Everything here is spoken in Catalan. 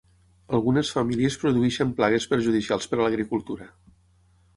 Algunes famílies produeixen plagues perjudicials per a l'agricultura.